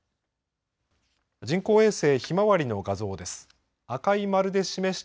人工衛星ひまわりの画像です。